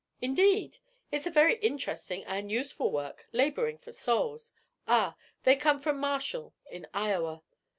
'Indeed! It's a very interesting and useful work labouring for souls. Ah, they come from Marshall, in Iowa.'